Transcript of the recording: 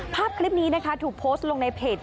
คลิปนี้นะคะถูกโพสต์ลงในเพจ